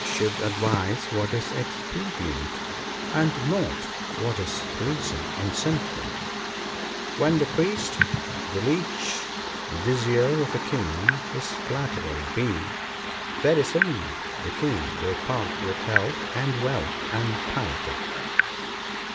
should advise what is expedient, and not what is pleasing in sentiment :—When the Priest, the Leech, the Vizier of a King his flatterers be, Very soon the King will part with health, and wealth, and piety."'